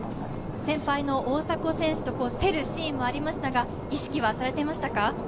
先輩の大迫選手と競るシーンもありましたが意識はされていましたか？